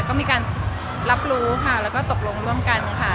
ก็มีการรับรู้ค่ะแล้วก็ตกลงร่วมกันค่ะ